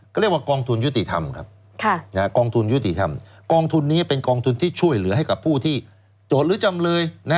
ก็เรียกว่ากองทุนยุติธรรมครับกองทุนนี้เป็นกองทุนที่ช่วยเหลือให้กับผู้ที่โดดหรือจำเลย